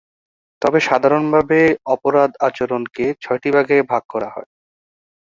তবে সাধারণভাবে অপরাধ আচরণকে ছয়টি ভাগে ভাগ করা হয়।